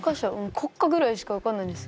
国歌ぐらいしか分かんないんです。